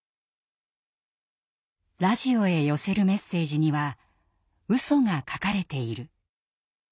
「ラジオへ寄せるメッセージにはうそが書かれている」。